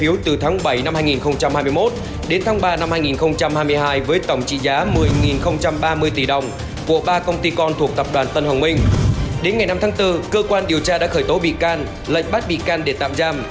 lệnh bắt bị can để tạm giam